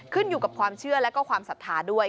อยู่กับความเชื่อแล้วก็ความศรัทธาด้วย